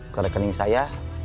ke rekening saya